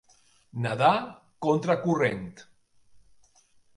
Nedar contra corrent.